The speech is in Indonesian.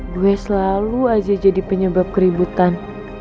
gue selalu aja jadi penyebab keributan